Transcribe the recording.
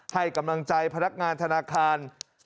ให้กำลังใจพนักงานธนาคาร